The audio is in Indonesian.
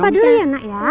sama papa dulu ya nak ya